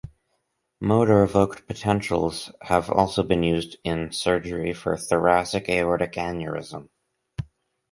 Motor evoked potentials have also been used in surgery for Thoracic aortic aneurysm.